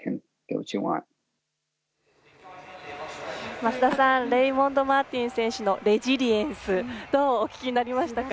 増田さんレイモンド・マーティン選手のレジリエンスどうお聞きになりましたか。